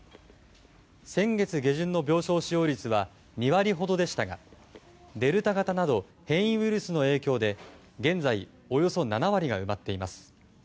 先月下旬の病床使用率は２割ほどでしたがデルタ型など変異ウイルスの影響で現在、およそ７割が埋まっています。